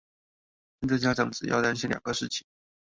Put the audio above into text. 現在家長只要擔心兩個事情